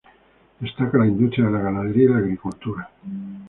Destaca la industria de la ganadería y la agricultura.